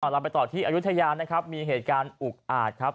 อายุทยานะครับมีเหตุการณ์อุกอาจครับ